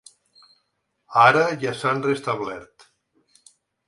Ara ja s’han restablert.